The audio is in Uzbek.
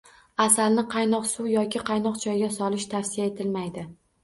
Asalni qaynoq suv yoki qaynoq choyga solish tavsiya etilmaydi.